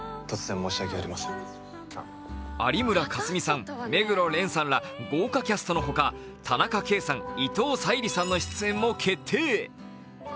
有村架純さん、目黒蓮さんら豪華キャストのほか、田中圭さん、伊藤沙莉さんの出演も決定。